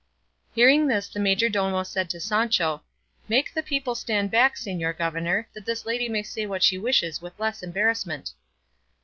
Hearing this the majordomo said to Sancho, "Make the people stand back, señor governor, that this lady may say what she wishes with less embarrassment."